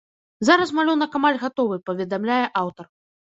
Зараз малюнак амаль гатовы, паведамляе аўтар.